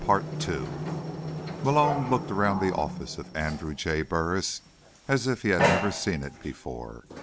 Malone looked around the office of Andrew J. Burris as if he'd never seen it before.